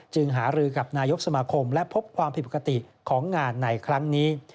หารือกับนายกสมาคมและพบความผิดปกติของงานในครั้งนี้